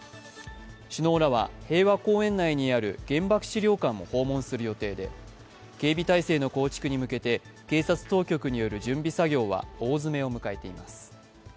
首脳らは平和公園内にある原爆資料館も訪問する予定で警備態勢の構築に向けて警察当局による準備作業は大詰めを迎えています。